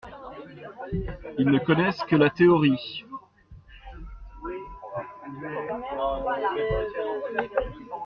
Ils ne connaissent que la théorie !…